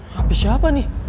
hp siapa nih